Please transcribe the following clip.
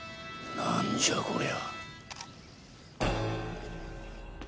なんじゃこりゃ。